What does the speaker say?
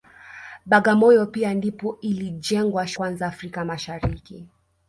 Bagamoyo pia ndipo ilijengwa shule ya kwanza Afrika Mashariki